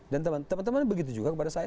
dan teman teman begitu juga kepada saya